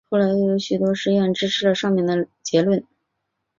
后来又有许多实验支持了上面的结论。